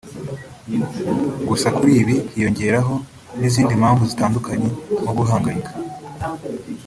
Gusa kuri ibi hiyongeraho n’izindi mpamvu zitandukanye nko guhangayika